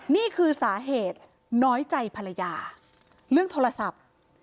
นี่คือสาเหตุน้อยใจภรรยาเรื่องโทรศัพท์